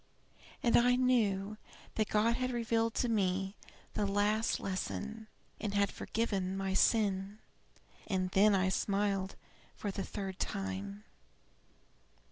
And I knew that God had revealed to me the last lesson, and had forgiven my sin. And then I smiled for the third time."